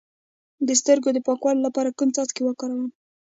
د سترګو د پاکوالي لپاره کوم څاڅکي وکاروم؟